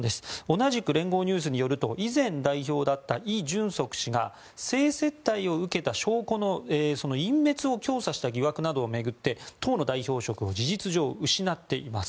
同じく連合ニュースによると以前代表だったイ・ジュンソク氏が性接待を受けた証拠の隠滅を教唆した疑惑などを巡って党の代表職を事実上失っています。